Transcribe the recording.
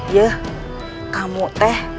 ya kamu teh